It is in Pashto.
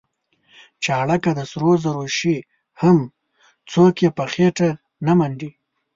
چاړه که د سرو شي هم څوک یې په خېټه نه منډي.